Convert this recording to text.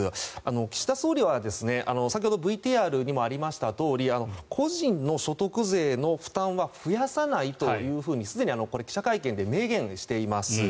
岸田総理は先ほどＶＴＲにもありましたとおり個人の所得税の負担は増やさないとすでに記者会見で明言しています。